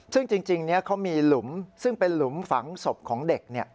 ซึ่งจริงเขามีหลุมซึ่งเป็นหลุมฝังศพของเด็ก